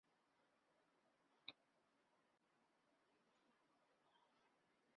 朝鲜目前的执政党为朝鲜劳动党。